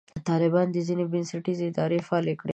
طالبانو ځینې بنسټیزې ادارې فعاله کړې.